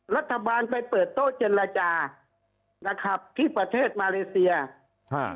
รัฐบาลไปเปิดโต๊ะเจรจานะครับที่ประเทศมาเลเซียฮะ